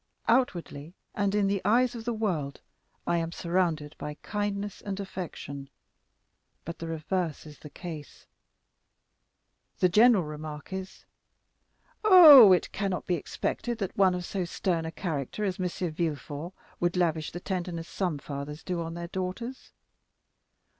Outwardly and in the eyes of the world, I am surrounded by kindness and affection; but the reverse is the case. The general remark is, 'Oh, it cannot be expected that one of so stern a character as M. Villefort could lavish the tenderness some fathers do on their daughters.